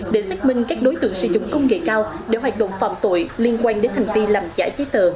để xác minh các đối tượng sử dụng công nghệ cao để hoạt động phạm tội liên quan đến hành vi làm giả giấy tờ